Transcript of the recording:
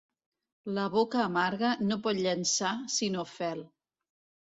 La boca amarga no pot llançar sinó fel.